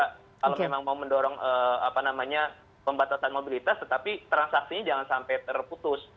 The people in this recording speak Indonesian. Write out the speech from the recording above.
kalau memang mau mendorong pembatasan mobilitas tetapi transaksinya jangan sampai terputus